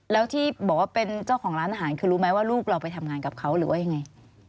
แล้วที่บอกว่าเป็นเจ้าของร้านอาหารคือรู้ไหมว่าลูกเราไปทำงานกับเขาหรือว่ายังไง